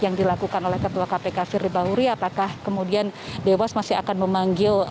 yang dilakukan oleh ketua kpk firly bahuri apakah kemudian dewas masih akan memanggil